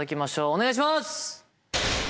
お願いします。